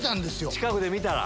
近くで見たら。